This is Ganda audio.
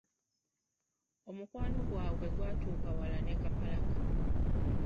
Omukwano gwabwe gwatuuka wala ne Kapalaga.